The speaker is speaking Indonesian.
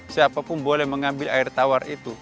siapapun boleh mengambil air tawar itu